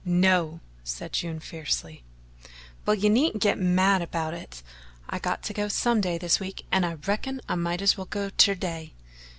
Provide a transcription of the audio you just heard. "No," said June fiercely. "Well, you needn't git mad about it I got to go some day this week, and I reckon I might as well go ter day."